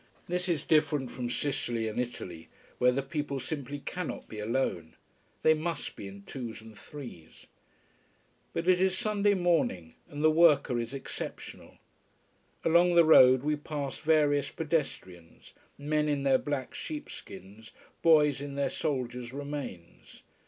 This is different from Sicily and Italy, where the people simply cannot be alone. They must be in twos and threes. But it is Sunday morning, and the worker is exceptional. Along the road we pass various pedestrians, men in their black sheepskins, boys in their soldiers' remains.